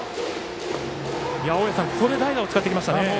大矢さん、ここで代打を使ってきましたね。